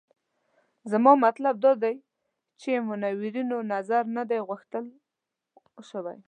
زما مطلب دا دی چې منورینو نظر نه دی غوښتل شوی.